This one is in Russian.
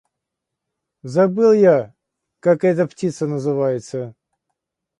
Забыл я, как эта птица называется.